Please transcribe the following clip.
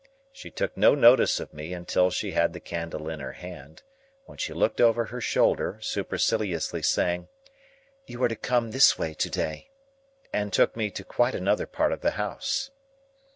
She took no notice of me until she had the candle in her hand, when she looked over her shoulder, superciliously saying, "You are to come this way to day," and took me to quite another part of the house.